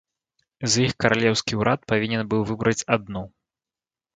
З іх каралеўскі ўрад павінен быў выбраць адну.